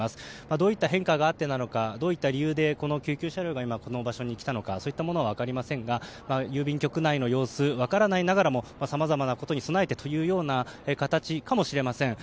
どういった変化があってなのかどういった理由でこの救急車両が今、この場所に来たのかは分かりませんが郵便局内の様子は分からないながらもさまざまなことに備えてかもしれません。